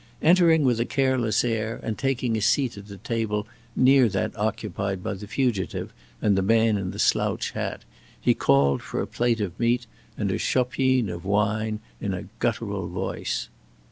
Entering with a careless air and taking a seat at a table near that occupied by the fugitive and the man in the slouch hat, he called for a plate of meat and a "chopine" of wine in a guttural voice.